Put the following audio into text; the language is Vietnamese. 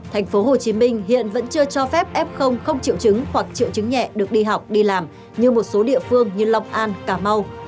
thành phố hồ chí minh hiện vẫn chưa cho phép f không triệu chứng hoặc triệu chứng nhẹ được đi học đi làm như một số địa phương như long an cà mau